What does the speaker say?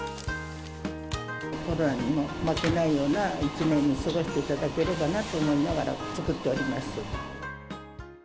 コロナにも負けないような１年を過ごしていただければなと思いながら作っております。